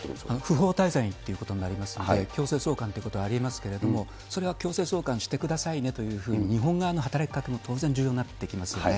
不法滞在ということになりますので、強制送還ということはありえますけれども、それは強制送還してくださいねというふうに日本側の働きかけも当然重要になってきますよね。